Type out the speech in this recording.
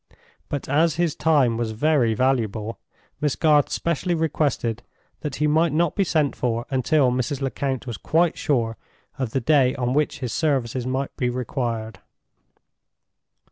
But as his time was very valuable, Miss Garth specially requested that he might not be sent for until Mrs. Lecount was quite sure of the day on which his services might be required.